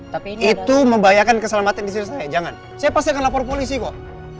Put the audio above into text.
tapi itu membahayakan keselamatan istri saya jangan saya pasti akan lapor polisi kok